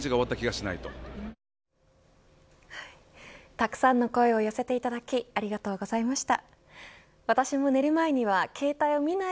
たくさんの声を寄せていただきありがとうございました。